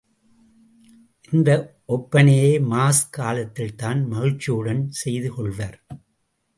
இந்த ஒப்பனையை மாஸ்க் காலத்தில்தான் மகிழ்ச்சியுடன் செய்துகொள்வர்.